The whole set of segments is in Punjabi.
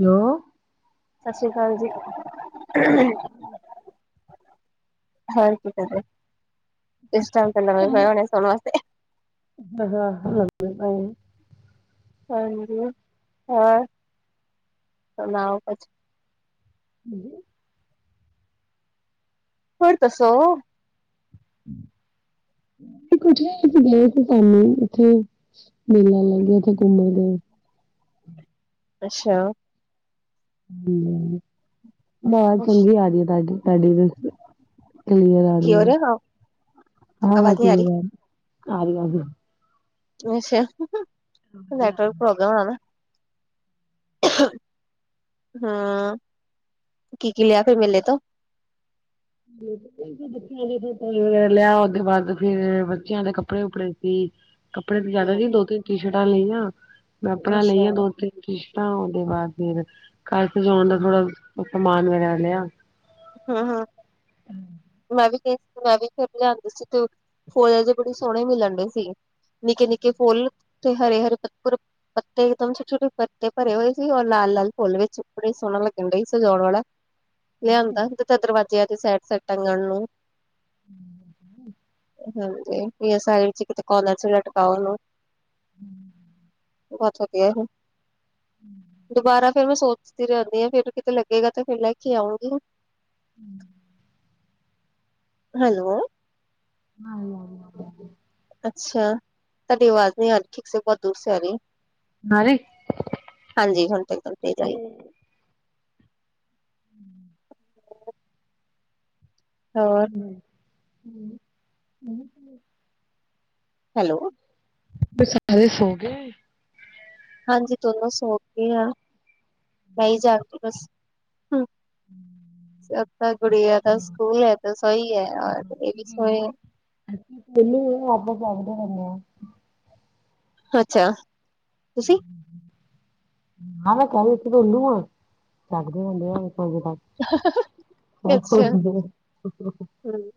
ਲੋ ਸਤਿ ਸ੍ਰੀ ਅਕਾਲ ਜੀ‌। ਸਤਿ ਸ਼੍ਰੀ ਹਰ ਕੀ ਕਰ ਰੇ, ਇਸ ਟੇਮ ਪੈ ਅਕਾਲ। ਹੋਣੇ ਸੋਣ ਵਾਸਤੇ। [inaudible] ਹਾਂਜੀ ਹਾਂ, ਸੁਣਾਓ ਕੁਛ? ਹਾਂਜੀ। [inaudible] ਹੋਰ ਦੱਸੋ। [inaudible] ਕੁਛ ਅਸੀਂ ਗਏ ਸੀ ਸਾਨੂੰ ਉੱਥੇ ਮੇਲਾ ਲੱਗਿਆ ਉੱਥੇ ਘੁੰਮਣ ਦੇ। ਅੱਛਾ! ਹੂੰ ਬ ਚੰਗੀ ਆ ਰਹੀ ਐ ਤੁਹਾਡੀ- ਤੁਹਾਡੀ ਕਲੀਅਰ ਆ ਕੀ ਰਹੀ ਹੋ ਆ ਰਿਹਾ ਹਾਂ-ਹਾਂ ਆਵਾਜ਼ ਨੀ ਕਲੀਅਰ ਆ ਹੀ, ਆ ਰੀ [unintelligible] ਅਛਾ ਨੈਟਵਰਕ ਪ੍ਰੋਬਮ ਆ ਨ। ਹਾਂ, ਕੀ-ਕੀ ਲਿਆ ਫਿਰ ਮੇਲੇ ਤੋਂ? [unintelligible] ਬੱਚਿਆਂ [unintelligible] ਲਿਆ, ਓਦੇ ਬਾਦ ਫੇਰ ਬੱਚਿਆਂ ਦੇ ਕੱਪੜੇ ਕੁਪੜੇ ਸੀ। ਕੱਪੜੇ ਤੇ ਜ਼ਿਆਦਾ ਨੀ ਦੋ ਤਿੰਨ ਟੀ ਸ਼ਰਟਾਂ ਲਈਆਂ, ਮੈਂ ਆਪਣਾ ਅੱਛਾ ਲਈ ਆ ਹੂੰ ਦੋ-ਤਿੰਨ ਕੀਤਾ ਓਦੇ ਬਾਦ ਫੇਰ ਘਰ ਸਜਾਉਣ ਦਾ ਥੋੜਾ ਸਮਾਨ ਵਗੈਰਾ ਲਿਆ। ਹਾਂ-ਹਾਂ। ਹੂੰ। ਮੈਂ ਵੀ ਗਈ ਸੀ ਮੈਂ ਵੀ ਫੇਰ ਲਿਆਂਦੀ ਸੀ ਤੇ ਫੁੱਲ [unintelligible] ਬੜੇ ਸੋਹਣੇ ਮਿਲਣ ਡੇ ਸੀ। ਨਿੱਕੇ-ਨਿੱਕੇ ਫੁੱਲ ਉਤੇ ਹਰੇ-ਹਰੇ ਪ ਪੱਤੇ ਇਕਦਮ ਛੋਟੇ-ਛੋਟੇ ਪੱਤੇ ਭਰੇ ਹੋਏ ਸੀ ਔਰ ਲਾਲ-ਲਾਲ ਫੁਲ ਵਿੱਚ ਬੜੇ ਸੋਹਣਾ ਲੱਗਣ ਡੇ ਸੀ ਸਜਾਉਣ ਵਾਲਾ। ਲਿਆਂਦਾ [unintelligible] ਦਰਵਾਜ਼ਿਆਂ ਦੇ ਸਾਈਡ-ਸਾਈਡ ਟੰਗਣ ਨੂੰ। [unintelligible] ਹਾਂਜੀ, ਸਾਈਡ ਚ ਕਿਤੇ ਕੋਰਨਰ ਚ ਲਟਕਾਉਣ ਉਹਨੂੰ। ਹੂੰ। [unintelligible] ਦੁਬਾਰਾ ਫੇਰ ਮੈਂ ਸੋਚਦੀ ਰਹਿੰਦੀ ਆਂ ਫੇਰ ਕਿਤੇ ਲੱਗੇਗਾ ਤੇ ਫੇਰ ਲੈ ਕੇ ਆਉਂਗੀ। ਹੂੰ। ਹੈਲੋ। [unintelligible] ਅੱਛਾ, ਤੁਹਾਡੀ ਆਵਾਜ਼ ਨਹੀਂ ਆ ਰੀ ਠੀਕ ਸੇ ਬੋਤ ਦੂਰ ਸੇ ਆ ਰੀ ਐ। [unintelligible] ਹਾਂਜੀ ਹੁਨ ਤੇ ਇਕਦਮ ਤੇਜ ਆਈ। ਹਮ। ਹੋਰ ਹੂੰ, ਹੂੰ। ਹੈਲੋ। [unintelligible] ਸਾਰੇ ਸੋ ਗੇ। ਹਾਂਜੀ ਕਿੰਨੇ [unintelligible] ਬਸ ਹੂੰ। ਹਮ। [inaudible] ਸ ਗੁੜੀਆ ਦਾ ਸਕੂਲ ਹੈ ਤਾਂ ਸਹੀ ਹੈ ਰ ਇਹ ਵੀ ਸਹੀ। ਮੈਨੂੰ ਆਪਸ [inaudible] ਅੱਛਾ ਤੁਸੀਂ। ਹਾਂ ਮੈਂ ਕੋਲ। ਅੱਛਾ [inaudible] [unintelligible] ਹੂੰ,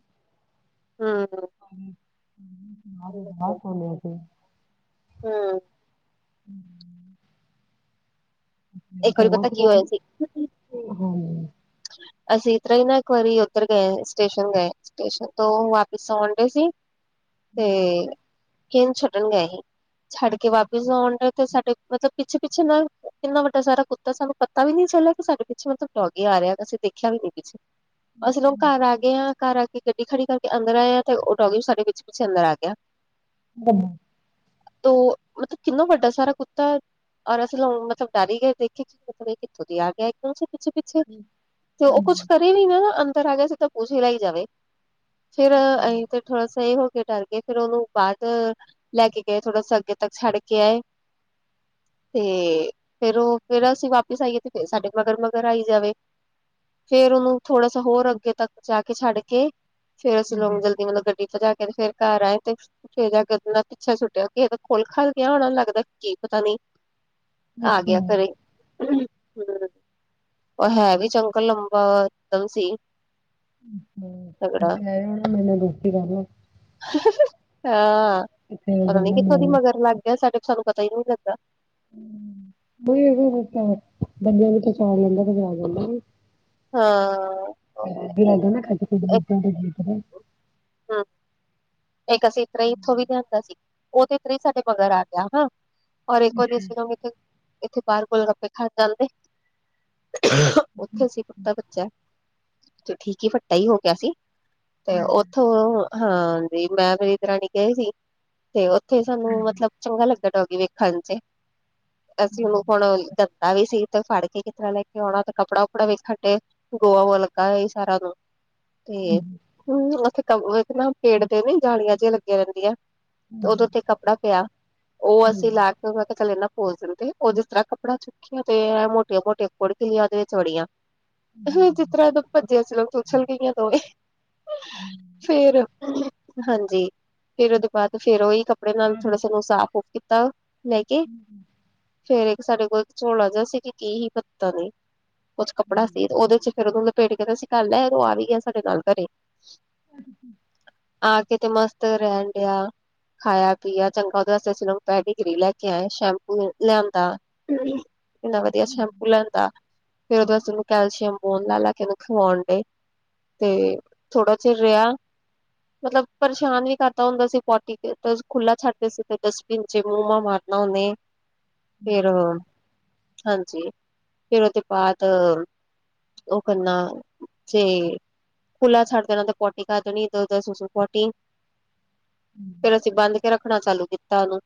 ਹੂੰ। [unintelligible] ਹੂੰ। ਹੂੰ, ਹੂੰ। ਇੱਕ ਵਾਰੀ ਤਾਂਵਾਂ ਪਤਾ ਕਿ ਕੀ ਹਾਂ ਹੋਇਆ ਸੀ [unintelligible] ਅਸੀਂ ਇਸ ਤਰਾਂ ਈ ਨਾ ਇੱਕ ਵਾਰੀ ਓਧਰ ਗਏ ਸਟੇਸ਼ਨ ਗਏ। ਸਟੇਸ਼ਨ ਤੋਂ ਵਾਪਿਸ ਆਉਣ ਡਏ ਸੀ ਤੇ ਕਿਹੇ ਨੂੰ ਛਡਣ ਗਏ ਹੀ ਛੱਡ ਕੇ ਵਾਪਿਸ ਆਉਣ ਡੇ ਤੇ ਸਾਡੇ ਮਤਲਬ ਪਿੱਛੇ-ਪਿੱਛੇ ਨਾ ਕਿੰਨਾ ਵੱਡਾ ਸਾਰਾ ਕੁੱਤਾ ਸਾਨੂੰ ਪਤਾ ਵੀ ਨੀ ਚੱਲਿਆ ਕਿ ਸਾਡੇ ਪਿੱਛੇ ਮਤਲਬ ਡੌਗੀ ਆ ਰਿਹਾ। ਅਸੀਂ ਦੇਖਿਆ ਵੀ ਨੀ ਕੁਛ ਅਸੀਂ ਲੋਕ ਘਾਰ ਆ ਤੇ ਐ ਘਰ ਆ ਕੇ ਗੱਡੀ ਖੜੀ ਕਰਕੇ ਅੰਦਰ ਆਏ ਆਂ ਤੇ ਓ ਡੋਗੀ ਸਾਡੇ ਪਿੱਛੇ-ਪਿੱਛੇ ਅੰਦਰ ਆ ਗਿਆ। ਧੰਨਵਾਦ। [inaudible] ਤੋਂ ਮਤਲਬ ਕਿੰਨਾ ਵੱਡਾ ਸਾਰਾ ਕੁੱਤਾ। ਔਰ ਅਸੀ ਲੋ ਮਤਲਬ ਡਰ ਈ ਗਏ ਦੇਖੇ ਕਿ ਮਤਲਬ ਕਿੱਥੋਂ ਦੀ ਆ ਗਿਆ ਇੱਕਦਮ ਸੇ ਪਿੱਛੇ -ਪਿੱਛੇ। ਤੇ ਉਹ ਕੁਛ ਕਰੇ ਵੀ ਨਾ ਅੰਦਰ ਆ ਗਿਆ ਸੀ, ਤਾਂ ਪੂੰਛ ਹਿਲਾਈ ਜਾਵੇ ਫੇਰ ਅਸੀਂ ਤੇ। ਥੋੜਾ ਸਹੀ ਹੋ ਕੇ ਡਰ ਕੇ ਫੇਰ ਉਹਨੂੰ ਬਾਅਦ। ਲੈ ਕੇ ਗਏ ਥੋੜਾ ਸਾ ਅੱਗੇ ਤੱਕ ਛੱਡ ਕੇ ਆਏ। ਤੇ ਫੇਰ ਉਹ ਫੇਰ ਅਸੀਂ ਵਾਪਿਸ ਆਈਏ ਤੇ ਫੇਰ ਸਾਡੇ ਮਗਰ ਮਗਰ ਆਈ ਜਾਵੇ। ਫੇਰ ਉਹਨੂੰ ਥੋੜਾ ਜਾਂ ਹੋਰ ਅੱਗੇ ਤੱਕ ਜਾ ਕੇ ਛੱਡ ਕੇ। ਫੇਰ ਅਸੀਂ ਲੋਕ ਜਲਦੀ ਮਤਲਬ ਗੱਡੀ ਭਜਾ ਕੇ ਤੇ ਫ਼ੇਰ ਘਰ ਆਏ ਤੇ। ਫੇਰ ਨਾਲ ਪਿੱਛੇ ਛੁਟਿਆ, ਕਿਸੇ ਦਾ ਖੋਲ ਖਲ ਗਿਆ ਹੋਣਾ ਲੱਗਦਾ ਕੀ ਪਤਾ ਨੀ। ਆ ਗਿਆ ਘਰੇ ਔਰ ਹੈ ਵੀ। ਚੰਗਾ ਲੰਬਾ [unintelligible] ਸੀ। ਤਗੜਾ ਕਹਿ ਰਿਹਾ ਹੋਣਾ ਮੈਨੂੰ ਰੋਟੀ ਹਾਂ ਇੱਥੇ ਪਤਾ ਨੀ ਜਾਣਾ ਕਿਥੋਂ ਦੀ ਮੈਂ ਮਗਰ ਲੱਗ। ਕ ਸਾਡੇ ਸਾਨੂੰ ਪਤਾ ਹੀ ਨਹੀਂ ਲੱਗਾ। [unintelligible] [inaudible] ਹਾਂ। [unintelligible] [inaudible] ਹਾਂ। ਇੱਕ ਅਸੀਂ ਇਤਰੇਈ ਇੱਥੋਂ ਵੀ ਲਿਆਂਦਾ ਸੀ ਉਹ ਤੇ ਇਤਰੇਈ ਸਾਡੇ ਮਗਰ ਆ ਗਿਆ ਹਾਂ। ਔਰ ਇੱਕ ਵਾਰੀ ਅਸੀ ਇੱਥੇ ਬਾਰ ਬੋਲ ਗੱਪੇ ਖਾ ਜਾਂਦੇ। ਉਥੇ ਅਸੀ ਪੁਤਾ ਬੱਚਾ ਠੀਕ ਹੀ ਫੱਟਾ ਹੀ ਹੋ ਗਿਆ ਸੀ। ਤੇ ਉੱਥੋਂ ਹਾਂਜੀ ਮੈਂ ਮੇਰੀ ਦਰਣੀ ਗਏ ਸੀ ਤੇ ਉੱਥੇ ਸਾਨੂੰ ਮਤਲਬ ਚੰਗਾ ਲੱਗਾ ਡੋਗੀ ਵੇਖਣ ਚ ਅਸੀਂ ਉਨੂੰ ਹੁਣ ਦਾ ਵੀ ਸੀ ਤੇ ਫੜ ਕੇ ਕਿਸ ਤਰ੍ਹਾਂ ਲੈ ਕੇ ਆਉਣਾ ਤੇ ਕੱਪੜਾ- ਕੁੱਪੜਾ ਵੀ ਗੋਆ ਵ ਲੱਗਾ ਸੀ ਸਾਰਾ ਉਨੂੰ। ਤੇ ਹਮ ਉੱਥੇ ਕ ਨਾ ਪੇੜ ਦੇ ਨੀ ਜਾਲੀਆਂ ਜਿਆਂ ਲੱਗੀਆ ਰਹਿੰਦੀਆਂ। ਤੇ ਉਦੋਂ ਉੱਥ ਕੱਪੜਾ ਪਿਆ ਉਹ ਅਸੀਂ ਲਾ ਕੇ ਉਹ ਚੱਲ ਇਨ ਉਸ ਦਿਨ ਤੇ ਉਹ ਜਿਸ ਤਰ੍ਹਾਂ ਕੱਪੜਾ ਚੁੱਕਿਆ ਤੇ ਇਹ ਮੋਟੀਆਂ-ਮੋਟੀਆਂ ਕੁੜਕਿਲੀਆਂ ਉਹਦੇ ਵਿੱਚ ਵੜੀਆਂ। ਹ ਜਿਸ ਤਰ੍ਹਾਂ ਤ ਭੱਜਿਆ ਸੀ [unintelligible] ਫੇਰ ਹਾਂਜੀ ਫੇਰ ਉਹਦੇ ਬਾਅਦ ਫੇਰ ਉਹੀ ਕਪ ਕੱਪੜੇ ਨਾਲ ਥੋੜਾ ਸਾਨੂੰ ਸਾਫ ਸੂਫ ਕੀਤਾ ਲੈ ਕੇ। ਫੇਰ ਇੱਕ ਸਾਡੇ ਕੋਲ ਝੋਲਾ ਜਿਹਾ ਸੀ ਕੀ ਹੀ ਪੱਤਾ ਨੀ। ਕੁਝ ਕੱਪੜਾ ਸੀ ਤੇ ਉਹਦੇ ਚ ਫਿਰੇ ਉਦੋਂ ਲਪੇਟ ਕੇ ਤੇ ਅਸੀਂ ਘਰ ਲੈ ਓ ਘਰ ਆ ਵੀ ਗਿਆ ਸਾਡੇ ਨਾਲ ਘਰੇ। [inaudible] ਆ ਕੇ ਤੇ ਮਸਤ ਰਹਣ ਡਆ। ਖਾਇਆ ਪੀਆ ਚੰਗਾ ਉਹਦੇ ਵਾਸਤੇ ਇਸ ਪੈਡੀਗਰੀ ਲੈ ਕੇ ਆਏ, ਸ਼ੈਂਪੂ ਲਿਆਂਦਾ। ਇਨ੍ਹਾਂ ਵਧੀਆ ਸ਼ੈਮ ਉ ਲੇਣ ਦਾ ਫੇਰ ਉਹਦੋਂ ਵਸ ਉਹਨੂੰ ਕੈਲਸ਼ੀਅਮ ਬੋਨ ਲੇਲੇਕੇ ਉਹਨੂੰ ਖਵਾਉਣ ਡੇ। ਤੇ ਥੋੜਾ ਚਿਰ ਰਿਹਾ। ਮਤਲਬ ਪਰੇਸ਼ਾਨ ਵੀ ਕਰਦਾ ਹੁੰਦਾ ਸੀ ਪੋਟੀ ਖੁੱਲਾ ਛੱਡਦੇ ਸੀ ਤੇ ਡਸਟਬਿਨ ਚ ਮੂੰਹਾਂ ਮਾਰਨਾ ਉਹਨੇ ਪੇਸ਼। ਹ। ਫਿਰ ਹਾਂਜੀ ਫਿਰ ਉਹਦੇ ਬਾਦ ਉਹ ਕਰਨਾ ਜੇ ਖੁੱਲਾ ਛੱਡ ਦੇਣਾ ਤੇ ਪੋਟੀ ਖਾ ਦੇਣੀ। ਸੂਸੂ ਪੋਟੀ, ਫੇਰ ਅਸੀਂ ਬੰਦ ਕੇ ਰੱਖਣਾ ਚਾਲੂ ਕੀਤਾ ਉਨੂੰ,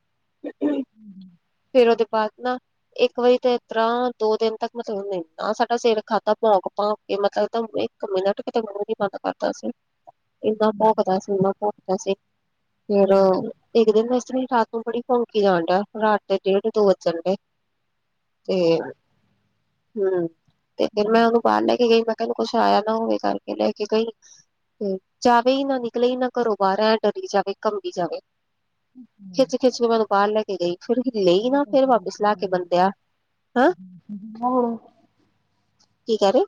ਫੇਰ ਉਹਦੇ ਬਾਦ ਨਾ ਇੱਕ ਵਜੇ ਤੇ ਇਸ ਤਰ੍ਹਾਂ ਦੋ ਦਿਨ ਤੱਕ ਮਤਲਬ ਮੈਂਦਾ ਸਾਡਾ ਸਿਰ ਖਾਧਾ ਭੋਕ-ਭੋਕ ਕਿ ਮਤਲਬ ਤਾਂ ਇੱਕ ਮਿੰਟ ਕਿਤੇ ਮੂੰਹ ਨੀ ਬੰਦ ਕਰਦਾ ਸੀ। ਇੰਨਾ ਭੋਕਦਾ ਸੀ, ਇੰਨਾ ਭੋਕਦਾ ਸੀ। ਫੇਰ ਇੱਕ ਦਿਨ ਇਸ ਤਰ੍ਹਾਂ ਹੀ ਰਾਤ ਨੂੰ ਬੜੀ ਭੌਂਕੀ ਜਾਣ ਡਿਆ ਰਾਤ ਦੇ ਡੇਢ ਦੋ ਵੱਜਣ ਡੇ। ਹ। ਤੇ, ਹੂੰ। ਤੇ ਫੇਰ ਮੈਂ ਉਹਨੂੰ ਬਾਹਰ ਲੈ ਕੇ ਗਈ ਮੈਂ ਕਿਆ ਕੁਛ ਆਇਆ ਨਾ ਹੋਵੇ ਕਰਕੇ ਲੈ ਕੇ ਗਈ। ਤੇ ਜਾਵੇ ਹੀ ਨਾ ਨਿਕਲੇ ਹੀ ਨਾ ਘਰੋਂ ਬਾਹਰ ਐ ਡਰਲੀ ਜਾਵੇ ਕੰਬੀ ਜਾਵੇ। [inaudible] ਖਿੱਚ-ਖਿੱਚ ਕੇ ਮੈਨੂੰ ਬਾਹਰ ਲੈ ਕੇ ਗਈ, ਫਿਰ ਹੀਲੇ ਹੀ ਨਾ ਫੇਰ ਵਾਪਿਸ ਲਾ ਕੇ ਬੰਦਿਆ। ਹਾਂ ਹੋ ਕੀ ਕਹਿ ਰਹੇ?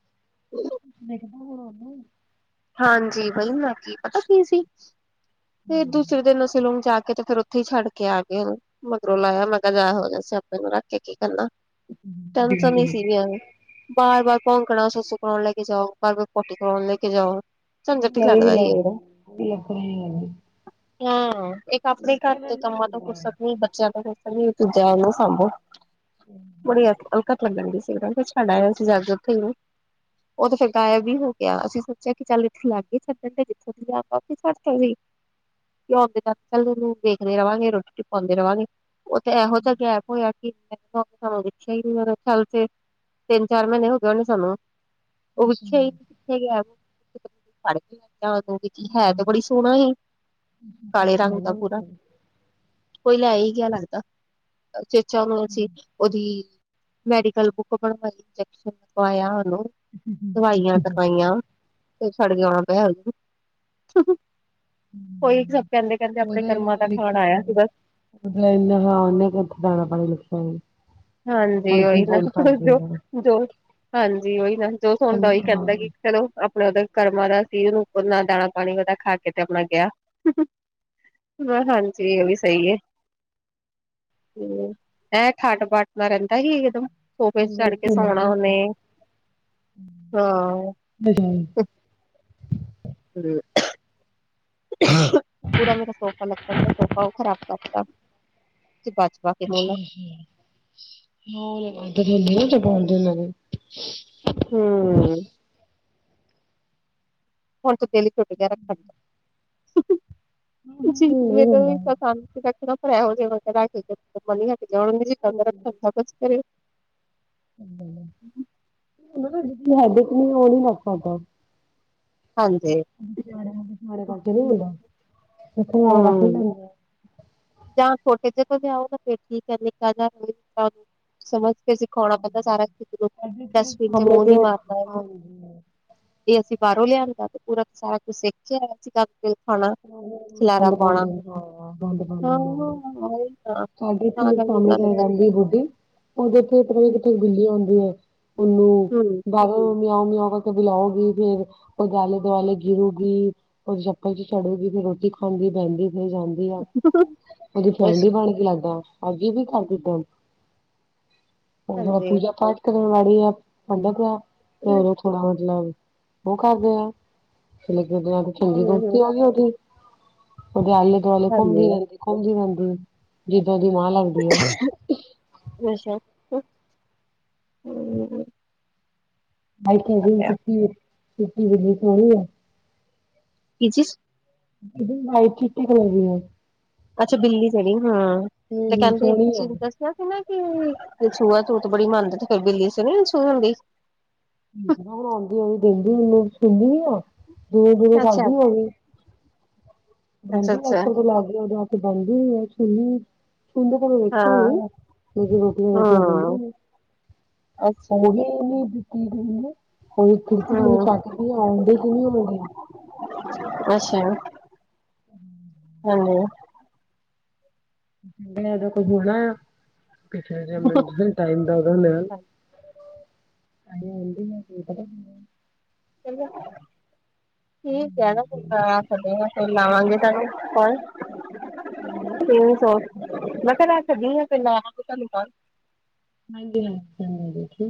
ਦੇਖਦਾ ਹੋਰ ਉਨੂੰ। ਹਾਂਜੀ, ਬਹੀ ਬਾਕੀ ਪਤਾ ਕੀ ਸੀ ਤੇ ਉਹਨੂੰ ਦੂਸਰੇ ਦਿਨ ਸੈਲੂਨ ਜਾ ਕੇ ਤੇ ਫੇਰ ਉ ਥੇ ਛੱਡ ਕੇ ਆ ਗਏ ਮਗਰੋਂ ਲਾਇਆ ਮੈਂ ਕਿਹਾ ਐਹੋ ਜੇ ਸੇਆਪੇ ਨੂੰ ਰੱਖ ਕੇ ਕੀ ਕਰਨਾ। ਟੇਸ਼ਨ ਹੀ ਸੀ ਐਵੇਂ। ਬਾਰ-ਬਾਰ ਭੌਕਣਾ ਸੱਸੂ ਕਰਾਉਣ ਲੈ ਕੇ ਜਾਓ, ਬਾਰ-ਬਾਰ ਪੋਟੀ ਕਰਾਉਣ ਲੈ ਕੇ ਜਾਓ। ਝੰਜਟ ਹੀ ਲੱਗਦਾ ਸੀ ਉਦੋਂ [unintelligible] ਹਾਂ ਇੱਕ ਆਪਣੇ ਘਰ ਬੱਚਿਆਂ ਦਾ ਤੇ ਨਹੀਂ ਕੰਮਾਂ ਤੋਂ ਹੁੰਦਾ। ਫੁਰਸਤ ਨੀ ਬੱਚਿਆ ਤੋ ਦੁਜਾ ਓਨੁ ਸਾਂਭੋ ਬੜੀ ਅਲਕੱਤ ਲੱਗਣ ਡੀ ਸੀ। ਸਾਡਾ ਅਸੀਂ ਜਾ ਕੇ ਉੱਥੇ ਹੀ ਨੇ ਉਹ ਤੇ ਫੇਰ ਗਾਇਬ ਹੀ ਹੋ ਗਿਆ ਅਸੀਂ ਸੋਚਿਆ ਕਿ ਚੱਲ [inaudible] ਆਉਂਦੇ ਚੱਲ ਉਹਨੂੰ ਵੇਖਦੇ ਰਵਾਂਗੇ ਰੋਟੀ-ਰੋਟੀ ਖਵਾਉਂਦੇ ਰਵਾਂਗੇ ਉਹ ਤੇ ਇਹੋ ਜਿਹਾ ਗੈਪ ਹੋਇਆ ਸਾਨੂੰ ਦੇਖਿਆ ਹੀ ਨੀ ਮੇਰੇ ਖਿਆਲ ਤੇ ਤਿੰਨ ਚਾਰ ਮਹੀਨੇ ਹੋ ਗਏ ਹੋਣੇ ਸਾਨੂੰ ਉਹ ਅੱਛਾ ਵਿਖਿਆ ਹੀ ਨਹੀਂ ਕਿੱਥੇ ਗੈਪ ਫੇਰ ਮੈ ਓਨੂੰ ਫੜ ਕੇ ਅੰਦਰ ਰੱਖ ਲੈਂਦੀ। [unintelligible] ਹੈ ਤੇ ਬੜੀ ਸੋਹਣਾ ਸੀ ਕਾਲੇ ਫ਼ਰਕ ਰੰਗ ਹੈਗਾ ਦਾ ਪੂਰਾ। ਕੋਈ ਲੈ ਹੀ ਗਿਆ ਲੱਗਦਾ ਚੇਚਾ ਹ ਅਸੀ ਉਹਦੀ ਮੈਡੀਕਲ ਬੁੱਕ ਬਣਵਾਈ ਇੰਜੈਕਸ਼ਨ ਲਗਵਾਇਆ ਉਨੂੰ ਦਵਾਈਆਂ ਟਕਾਈਆਂ। ਤੇ ਛੜ ਗਆਉਣਾ ਪੈ ਹੇਲਥ [unintelligible] ਕੋਈ ਸਭ ਕੈਂਦੇ, ਕੈਂਦੇ ਆਪਣੇ ਕਰਮਾਂ ਦਾ ਖਾਣ ਆਇਆ ਸੀ ਬਸ। ਉਦਿਹਾਂ ਉਹਨੇ ਉੱਥੇ ਦਾਣਾ ਪਾਣੀ ਲਿੱਖਿਆ। ਹਾਂਜੀ ਉਹੀ ਨਾ ਜੋ। ਹਾਂ ਜੋ ਹਾਂਜੀ ਉਹੀ ਨਾ ਜੋ ਸੋਣਦਾ ਉਹੀ ਅੱਛਾ-ਅੱਛਾ। ਹਾਂ ਕੈਂਦਾ ਕਿ ਚਲੋ। ਆਪਣੇ ਉਹਦੇ ਕਰਮਾਂ ਦਾ ਸੀ, ਉੱਪਰ ਨਾਲ ਦਾਣਾ ਪਾਣੀ ਉਹਦਾ ਖਾ ਕੇ ਤੇ ਆਪਣਾ ਗਿਆ। ਮੇ ਹਾਂਜੀ ਉਹ ਵੀ ਸਹੀ ਹੈ, ਹਮ ਇਹ ਖੱਟ, ਪੱਟ ਨਾ ਰੈਂਦਾ ਇਹ ਤੇ ਸੋਫੇ ਤੇ ਚੜ ਕੇ ਸੋਣਾ ਉਨੇ ਹਾਂ। ਹ ਜੀ ਪੂਰਾ ਮੇਰਾ ਸੋਫਾ ਲਕੜ ਦਾ ਸੋਫਾ ਉਹ ਖਰਾਬ ਕਰਤਾ ਤੇ ਬਚਪ ਕੇ ਲਣਾ [unintelligible] ਠੀ ਹ ਉਹ ਆਦ ਹਦੀ ਨਾ ਤੇ ਪਾਂਦੇ ਨੇ ਹਮ ਹੁਣ ਦਿਲ ਟੁੱਟ ਗਿਆ ਰੱਖਣ ਦਾ। ਜੀ ਨਹੀਂ ਮੇ ਤਾਂ ਹੁੰਦਾ। ਪਸੰਦ ਸੀ ਰੱਖ ਲਾ। [unintelligible] ਫੇਰ ਇਹ ਹੋਜੇ ਵਰਕਰ ਰੱਖ [unintelligible] ਹਮ ਹੈਡਿਕ ਨੁ ਉਹ ਨੀ ਲਗ ਸਕਦਾ। ਹਾਂਜੀ ਸਕੇ ਨਹੀਂ ਲਥੇ ਕਠਾ ਰਾਖ ਵੀ ਲੈਂਦੇ ਆ। ਹੂੰ ਜਾਂ ਛੋਟੇ ਜ ਕੋਲ ਆਉ ਨਾ ਫਿਰ ਠੀਕ ਹੈ ਨਿੱਕਾ ਜਿ ਸਮਝ ਕੇ ਅਸੀਂ ਥੋੜਾ ਬੋਤਾ ਸਾਰਾ ਡਸਟਬੀਨ ਚ ਸਾਹਮਣੇ ਮੂੰਹ ਤੇ ਨੀ ਮਾਰ ਪਾਏਗੀ ਹੈ। ਹਾਂਜੀ। ਜੇ ਅਸੀਂਬਾਹਰੋਂ ਲਿਆਂਦਾ ਤੇ ਪੂਰਾ ਸਾਰਾ ਕੁਛ ਸਿੱਖ ਕੇਆ ਇਆ ਸੀਂ ਗੱੰਦ ਖਾਣਾ ਖਿਲਾਰਾ ਗੰਦ ਪਾਉਂਦੇ ਪਾਉਣਾ। ਨੇ ਹਾਂ ਗੰਦ, ਗੰਦ ਹਾਂ ਬਣਾ ਉਹੀ ਨਾ ਸਾਡੇ ਤਾਂ ਇਥੇ ਕਰਕੇ ਕੋ ਣੇ ਉਹਨਾਂ ਦਿੱਕਤ ਤੇਰੈਂਦੀ ਬੁੱਢੀ। ਉਹਦੇ ਤੇ ਤ ਕਿਤੇੇ ਬਿੱਲੀਆਂ ਆਂਦੀਆਂ ਉਹਨੂੰ ਹਮ ਬਾਹਰੋਂ ਮਿਆਉ ਮਿਆ ਕਰਕੇ ਬੁਲਾਉਗੀ ਫੇਰ ਉਹ ਦ ਆਲੇ ਦੁਆਲੇ ਗਿਰੂਗੀ ਉਹ ਚੱਪਲ ਚ ਚੜੂਗੀ ਫਿਰ ਰੋਟੀ ਖਾਂਦੀ ਬੈਂਦੀ ਫਿਰ ਜਾਂਦੀ ਆ ਉਹਦੀ ਫੈਣ ਵੀ ਅੱਛਾ ਬਣ ਕੇ ਲੱਗਦਾ। ਅਜੇ ਵੀ ਕਰਦੀਦਾ ਹਾਂਜੀ ਪੂਜਾ ਪਾਠ ਣਵਾੜੀ ਆ ਪੰਧਕ ਆ ਤੇ ਉਦੋਂ ਥੋੜਾ ਮਤਲਬ ਉਹ ਕਰਦੇ ਆ ਲ ਉਹਦੇ ਨਾਲ ਚੰਗੀ ਹਮ ਦੋਸਤੀ ਹਮ ਆ ਗਈ ਉਹਦੀ ਉਹਦੇ ਆ ਉਦੋਂ ਵਾਲੇ ਹਾਂਜੀ ਘੁੰਮਦੀ ਰਹਿੰਦੀ ਘੁੰਮਦੀ ਰਹਿੰਦੀ ਜਿੱਦਾ ਉਦੀ ਮਾਂ ਲੱਗਦੀ ਹੈ ਅੱਛਾ ਆਈ ਚੁੀ ਚੁੀ ਬਲੀ ਆ ਕਿ ਚੀਜ ਜ ਮਾਈ ਚੀ ਕਰ ਵੀ ਹੈ [unintelligible] ਅੱਛਾ ਬਿੱਲੀ ਜਹਣੀ ਹਾਂ ਤੇ ਹੂੰ ਕਹਿੰਦੇ ਇਥੇ ਸੋਹਣੀ ਆ ਚੀਜ਼ ਦਾ ਸੀ ਨਾ ਕਿ ਛੂਆ ਛੂਤ ਬੜੀ ਮੰਨਦੀ ਤੇ ਫਿਰ ਬਿੱਲੀ ਸੀ ਨੀਛੂਹ ਦੀ ਬਣਾਂਦੀ ਹੋ ਦਿੰਦੀ ਮੈਨੂੰ ਸੁਦੀ ਆ ਦੂਰੋਂ ਦੂਰੋਂ ਅੱਛਾ ਕਰਦੀ ਉਹ ਵੀ ਅੱਛਾ ਬੈਂਦੀ ਅਜ ਅੱਛਾ ਕਲ ਲਾਗੇ ਕੇ ਬੈਂਦੀ ਸੁਨੀ ਸੁੰਦਰ ਕੋ ਵਖਿਆ ਹਾਂ ਨਹੀਂ ਰੋਟੀਆਂ ਰੋਟੀਆਂ ਹਮ ਦਦੀ ਅੱਛਾ ਉਹ ਵੀ [unintelligible] ਦਿੱਤੀ ਗ ਉਹ ਖਿੜਕੀ ਦੇਨੂੰ ਹਮ ਚੱਕਦੀ ਆਂਦੇ ਹੀ ਨਹੀਂ ਆਂਦੇ। ਅੱਛਾ ਹਮ ਹਾਂਜੀ ਦੋਂ ਕੋਈ ਹੋਣਾ ਆ ਕਿਸੇ ਜ ਮ [unintelligible] ਟਾਈਮ ਦਾ ਉਦਾ ਚਲੋ ਠੀਕ ਹੈ ਨਾ ਪਰਿਵਾਰ ਸਮੇਤ ਲਿਆਵਾਂ ਗੇ ਤੈਨੂੰ ਕਲ। ਮੈਂ ਨਾ ਤ ਸੌ ਮੈਂ ਕਿਹਾ ਲੈ ਸਕਦੀ। ਹਾਂਜੀ ਹਾਂਜੀ ਚੰਗਾ ਜੀ।